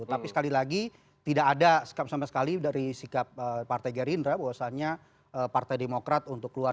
tapi sekali lagi tidak ada sama sekali dari sikap partai gerindra bahwasannya partai demokrat untuk keluar